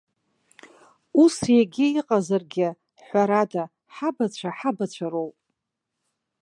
Ус егьа иҟазаргьы, ҳәарада, ҳабацәа ҳабацәа роуп.